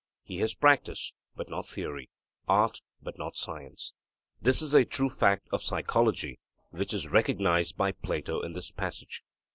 He has practice, but not theory; art, but not science. This is a true fact of psychology, which is recognized by Plato in this passage.